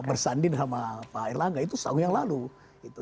bersandin sama pak erlangga itu sehari yang lalu